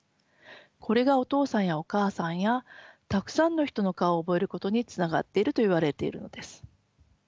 これがお父さんやお母さんやたくさんの人の顔を覚えることにつながっているといわれているのです。